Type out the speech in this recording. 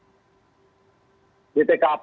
ya saya sudah mencari